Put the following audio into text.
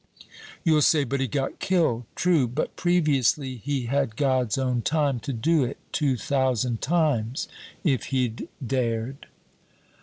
You'll say, 'But he got killed.' True, but previously he had God's own time to do it two thousand times if he'd dared."